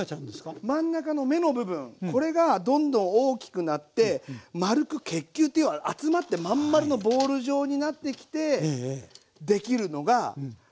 そう真ん中の芽の部分これがどんどん大きくなって丸く結球っていう集まって真ん丸のボール状になってきてできるのがキャベツなんです。